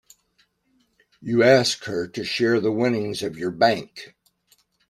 You asked her to share the winnings of your bank.